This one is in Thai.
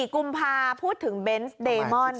๑๔กุมภาพูดถึงเบนส์ด์เดโมน